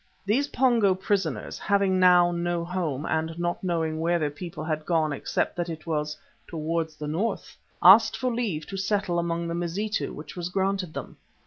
These Pongo prisoners, having now no home, and not knowing where their people had gone except that it was "towards the north," asked for leave to settle among the Mazitu, which was granted them.